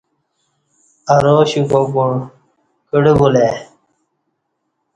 ارا شوکاکوع کڑہ بولہ ای